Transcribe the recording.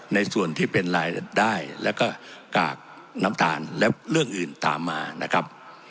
ในส่วนที่เป็นรายได้แล้วก็กากน้ำตาลและเรื่องอื่นตามมานะครับ